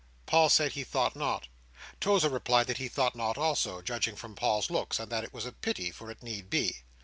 Paul said he thought not. Tozer replied that he thought not also, judging from Paul's looks, and that it was a pity, for it need be.